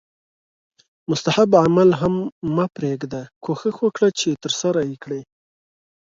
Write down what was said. مستحب عمل هم مه پریږده کوښښ وکړه چې ترسره یې کړې